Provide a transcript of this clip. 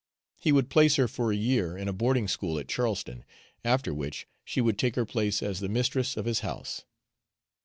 He would place her for a year in a boarding school at Charleston, after which she would take her place as the mistress of his house.